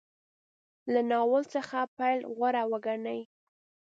له ناول څخه پیل غوره وګڼي.